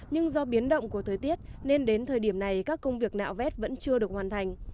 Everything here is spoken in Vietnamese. nhưng do biến động của thời tiết nên đến thời điểm này các công việc nạo vét vẫn chưa được hoàn thành